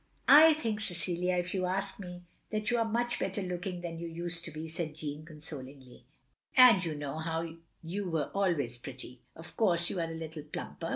" I think, Cecilia, if you ask me, that you are much better looking than you used to be," said Jeanne, consolingly, "and you know you were always pretty. Of course you are a little plumper.